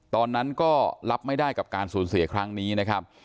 ตอนนั้นก็รับไม่ได้กับการสูญเสียครั้งนี้นะครับ